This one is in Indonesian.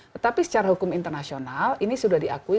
tetapi secara hukum internasional ini sudah diakui